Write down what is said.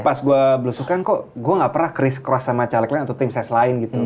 pas gue belusukan kok gue gak pernah keras keras sama caleg lain atau tim ses lain gitu